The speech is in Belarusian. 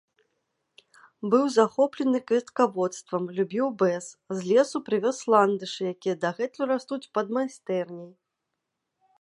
Быў захоплены кветкаводствам, любіў бэз, з лесу прывёз ландышы, якія дагэтуль растуць пад майстэрняй.